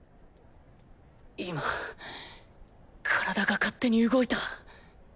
今体が勝手に動いた。